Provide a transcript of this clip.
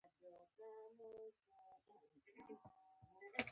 مړه ته د صبر اجر غواړو